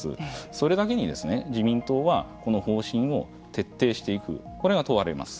それだけにですね自民党は、この方針を徹底していくこれが問われます。